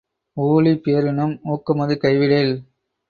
ஊழி பேரினும் ஊக்கமது கைவிடேல்.